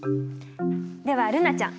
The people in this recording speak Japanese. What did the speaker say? では瑠菜ちゃん。